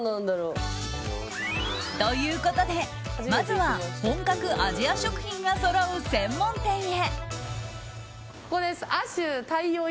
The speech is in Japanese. ということでまずは本格アジア食品がそろう専門店へ。